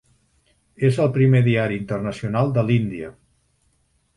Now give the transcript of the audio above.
És el primer diari internacional de l'Índia.